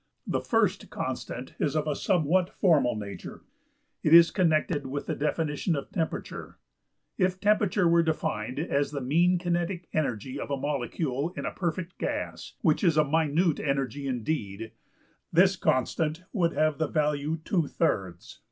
The first constant is of a somewhat formal nature; it is connected with the definition of temperature. If temperature were defined as the mean kinetic energy of a molecule in a perfect gas, which is a minute energy indeed, this constant would have the value $\frac$(17).